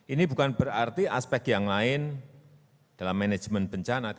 ini bukan berarti aspek yang lain dalam manajemen bencana